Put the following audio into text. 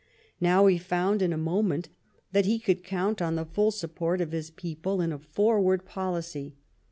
Now he found, in a mo ment, that he could count on the full support of his people in a forward policy.